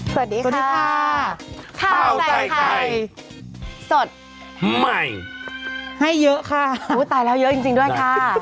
สวัสดีค่ะสวัสดีค่ะข้าวใส่ไข่สดใหม่ให้เยอะค่ะอุ้ยตายแล้วเยอะจริงจริงด้วยค่ะ